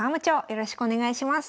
よろしくお願いします。